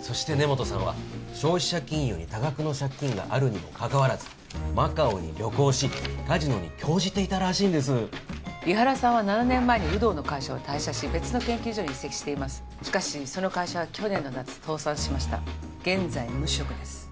そして根元さんは消費者金融に多額の借金があるにもかかわらずマカオに旅行しカジノに興じていたらしいんです井原さんは７年前に鵜堂の会社を退社し別の研究所に移籍しかしその会社は去年の夏倒産しました現在無職です